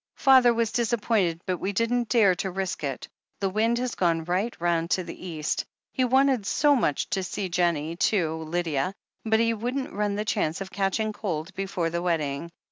"Father was disappointed, but we didn't dare to risk it — ^the wind has gone right round to the east. He wanted so much to see Jennie, too, Lydia — ^but he wouldn't run the chance of catching cold before the wedding.